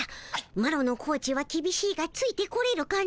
マロのコーチはきびしいがついてこれるかの？